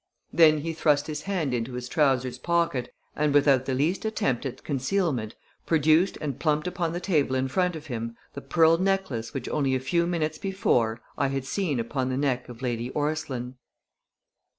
Then he thrust his hand into his trousers pocket and, without the least attempt at concealment, produced and plumped upon the table in front of him the pearl necklace which only a few minutes before I had seen upon the neck of Lady Orstline.